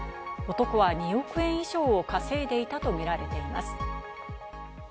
男は２億円以上を稼いでいたとみられています。